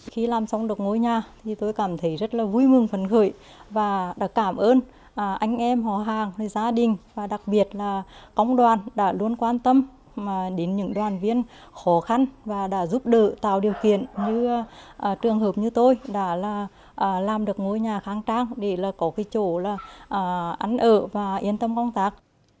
khi làm xong được ngôi nhà thì tôi cảm thấy rất là vui mừng phấn khởi và đã cảm ơn anh em họ hàng gia đình và đặc biệt là công đoàn đã luôn quan tâm đến những đoàn viên khó khăn và đã giúp đỡ tạo điều kiện như trường hợp như tôi đã làm được ngôi nhà khang trang để có cái chỗ là ăn ở và yên tâm công tác